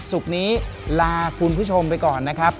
ศุกร์นี้ลาคุณผู้ชมไปก่อนนะครับ